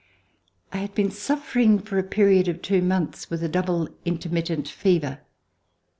I had been suffering for a period of two months with a double intermittent fever.